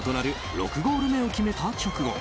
６ゴール目を決めた直後